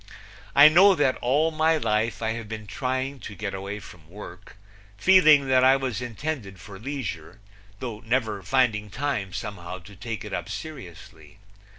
I know that all my life I have been trying to get away from work, feeling that I was intended for leisure, though never finding time somehow to take it up seriously.